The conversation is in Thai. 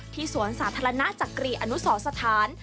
สวนสาธารณะจักรีอนุสรสถาน